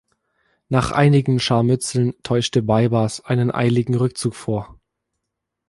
Nach einigen Scharmützeln täuschte Baibars einen eiligen Rückzug vor.